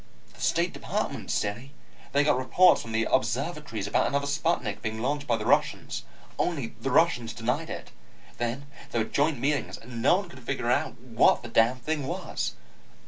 "The State Department, silly. They got reports from the observatories about another sputnik being launched by the Russians. Only the Russians denied it. Then there were joint meetings, and nobody could figure out what the damn thing was."